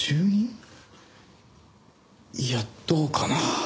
いやどうかな？